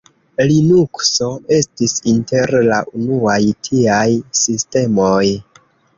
Linukso estis inter la unuaj tiaj sistemoj.